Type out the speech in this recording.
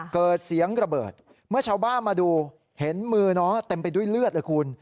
เกิดเสียงระเบิดเมื่อชาวบ้านมาดูเห็นมือน้องเต็มไปด้วยเลือดเลยคุณ